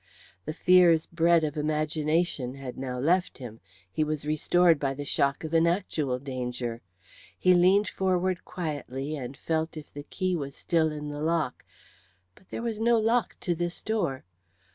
The fears bred of imagination had now left him; he was restored by the shock of an actual danger. He leaned forward quietly and felt if the key was still in the lock. But there was no lock to this door.